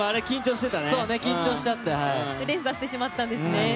連鎖してしまったんですね。